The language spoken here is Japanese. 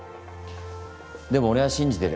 でも俺は信じてる。